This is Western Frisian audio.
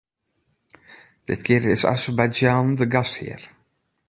Ditkear is Azerbeidzjan de gasthear.